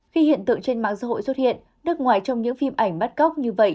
khi hiện tượng trên mạng xã hội xuất hiện nước ngoài trong những phim ảnh bắt cóc như vậy